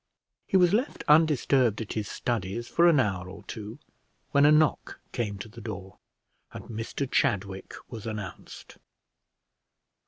He was left undisturbed at his studies for an hour or two, when a knock came to the door, and Mr Chadwick was announced.